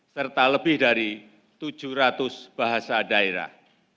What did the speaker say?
serta lebih dari tujuh ratus bahasa daerah